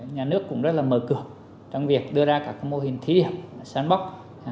nhà nước cũng rất là mở cửa trong việc đưa ra các mô hình thí điểm sán bóc